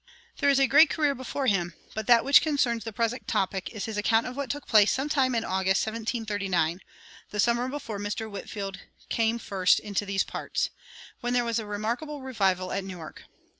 There is a great career before him; but that which concerns the present topic is his account of what took place "sometime in August, 1739 (the summer before Mr. Whitefield came first into these parts), when there was a remarkable revival at Newark....